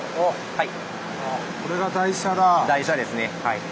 はい。